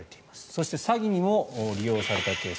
そして詐欺にも利用されたケース。